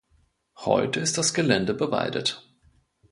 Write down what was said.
Heute ist das Gelände bewaldet.